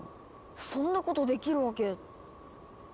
そんなことできるわけ。